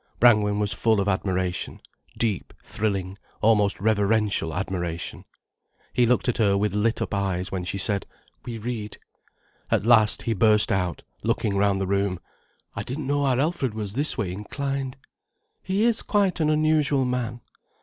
Brangwen was full of admiration, deep thrilling, almost reverential admiration. He looked at her with lit up eyes when she said, "we read". At last he burst out, looking round the room: "I didn't know our Alfred was this way inclined." "He is quite an unusual man."